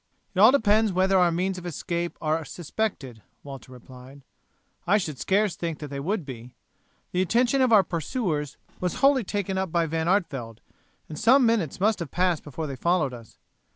"It all depends whether our means of escape are suspected," Walter replied, "I should scarce think that they would be. The attention of our pursuers was wholly taken up by Van Artevelde, and some minutes must have passed before they followed us.